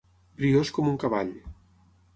Briós com un cavall.